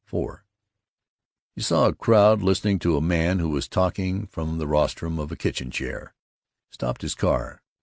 IV He saw a crowd listening to a man who was talking from the rostrum of a kitchen chair. He stopped his car.